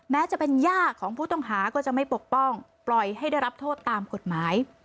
แม้จะเป็นย่าของผู้ต้องหาก็จะไม่ปกป้องปล่อยให้ได้รับโทษตามกฎหมาย